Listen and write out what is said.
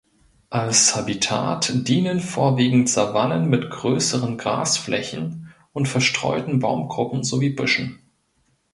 Als Habitat dienen vorwiegend Savannen mit größeren Grasflächen und verstreuten Baumgruppen sowie Büschen.